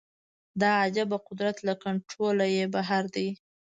دا عجیبه قدرت له کنټروله یې بهر دی